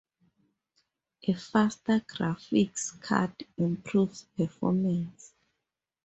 A faster graphics card improves performance.